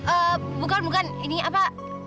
eh bukan bukan ini apa